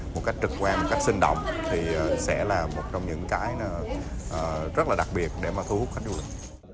một cách trực quan một cách sinh động thì sẽ là một trong những cái rất là đặc biệt để mà thu hút khách du lịch